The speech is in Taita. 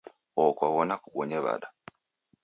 Oho kwaw'ona kubonye w'ada?